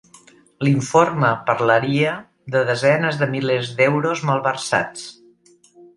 L'informe parlaria de desenes de milers d'euros malversats.